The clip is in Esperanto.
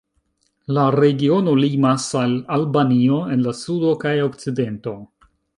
La regiono limas al Albanio en la sudo kaj okcidento.